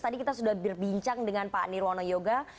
tadi kita sudah berbincang dengan pak nirwono yoga